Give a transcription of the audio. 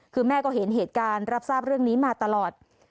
คือแม่ก็เห็นเหตุการณ์รับทราบเรื่องนี้มาตลอด